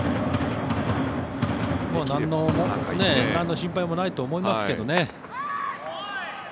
なんの心配もないと思いますけどね。